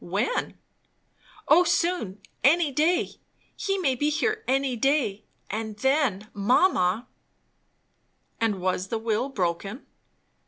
"When?" "O soon; any day. He may be here any day. And then, mamma " "And was the will broken?"